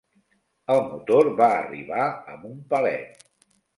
El motor va arribar amb un palet.